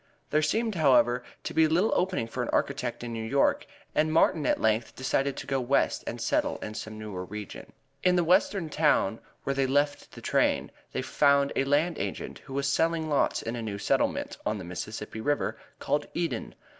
There seemed, however, to be little opening for an architect in New York, and Martin at length decided to go West and settle in some newer region. In the western town where they left the train they found a land agent who was selling lots in a new settlement, on the Mississippi River, called Eden.